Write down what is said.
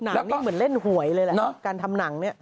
หนังนี่เหมือนเล่นหวยเลยแหละการทำหนังเนี่ย